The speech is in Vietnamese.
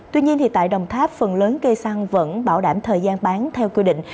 tuy nhiên tại đồng tháp phần lớn cây săn vẫn bảo đảm thời gian bán theo quy định